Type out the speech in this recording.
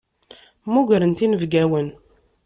Mmugrent inebgawen.